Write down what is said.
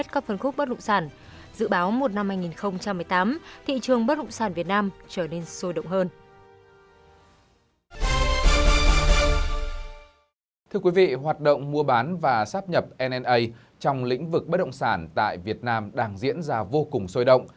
thưa quý vị hoạt động mua bán và sắp nhập na trong lĩnh vực bất động sản tại việt nam đang diễn ra vô cùng sôi động